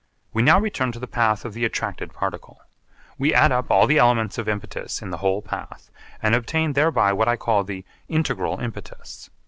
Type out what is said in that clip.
We now return to the path of the attracted particle. We add up all the elements of impetus in the whole path, and obtain thereby what I call the 'integral impetus.'